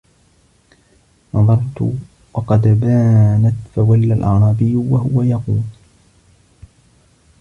نَظَرْتُ وَقَدْ بَانَتْ فَوَلَّى الْأَعْرَابِيُّ وَهُوَ يَقُولُ